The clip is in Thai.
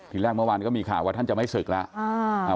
ทีแรกเมื่อวานก็มีข่าวว่าท่านจะไม่ศึกแล้ว